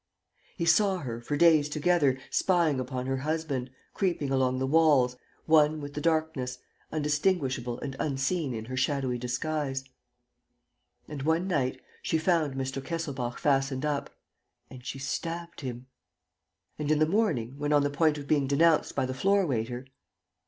He saw her, for days together, spying upon her husband, creeping along the walls, one with the darkness, undistinguishable and unseen in her shadowy disguise. And, one night, she found Mr. Kesselbach fastened up ... and she stabbed him. And, in the morning, when on the point of being denounced by the floor waiter